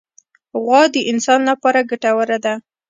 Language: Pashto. غوا د انسان لپاره ګټوره ده.